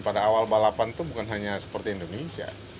pada awal balapan itu bukan hanya seperti indonesia